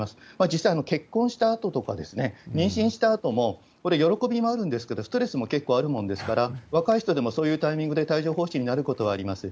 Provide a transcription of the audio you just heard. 実際、結婚したあととか、妊娠したあとも、これ喜びもあるんですけど、ストレスも結構あるもんですから、若い人でもそういうタイミングで帯状ほう疹になることはあります。